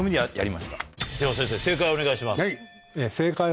では先生正解をお願いします。